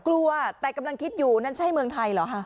กลัวแต่กำลังคิดอยู่นั่นใช่เมืองไทยเหรอคะ